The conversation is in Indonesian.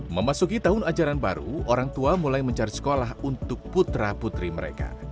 memasuki tahun ajaran baru orang tua mulai mencari sekolah untuk putra putri mereka